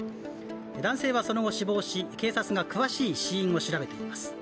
男性はその後、死亡し警察が詳しい死因を調べています。